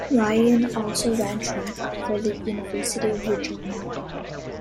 Ryan also ran track for the University of Regina.